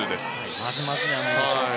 まずまずじゃないでしょうか。